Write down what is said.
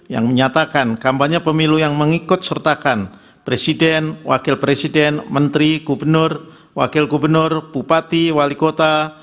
yang menyatakan kampanye pemilu yang mengikut sertakan presiden wakil presiden menteri gubernur wakil gubernur bupati wali kota